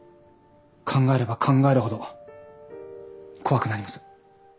考えれば考えるほど怖くなります。